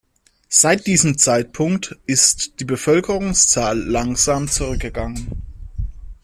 Seit diesem Zeitpunkt ist die Bevölkerungszahl langsam zurückgegangen.